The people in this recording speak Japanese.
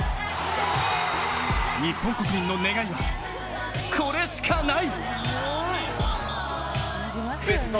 日本国民の願いは、これしかない！